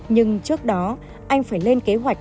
nhưng trước đó anh phải lên kế hoạch